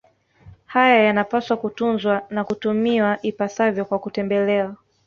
Haya yanapaswa kutunzwa na kutumiwa ipasavyo kwa kutembelewa